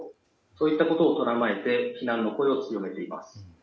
そういったことで非難の声を強めています。